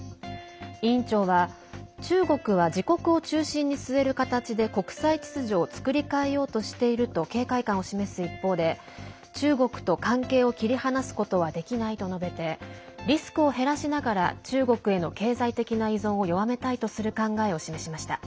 委員長は、中国は自国を中心に据える形で国際秩序を作り変えようとしていると警戒感を示す一方で中国と関係を切り離すことはできないと述べてリスクを減らしながら中国への経済的な依存を弱めたいとする考えを示しました。